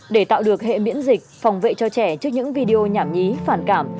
để tạo được hệ miễn dịch phòng vệ cho trẻ trước những video nhảm nhí phản cảm